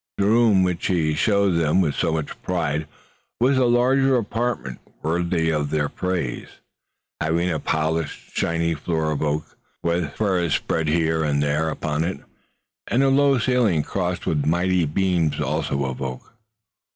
The room which he showed them with so much pride was a large apartment worthy of their praise, having a polished, shining floor of oak, with furs spread here and there upon it, and a low ceiling crossed with mighty beams also of oak.